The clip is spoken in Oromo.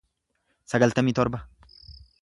sagaltamii torba